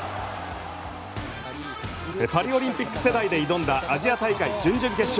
パリオリンピック世代で挑んだアジア大会準々決勝。